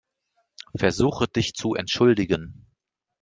Versuche, dich zu entschuldigen.